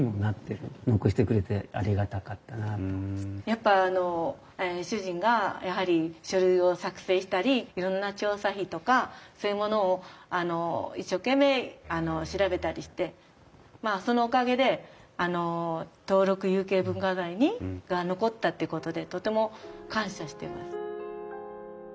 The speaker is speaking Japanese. やっぱ主人がやはり書類を作成したりいろんな調査費とかそういうものを一生懸命調べたりしてまあそのおかげであの登録有形文化財に残ったっていうことでとても感謝してます。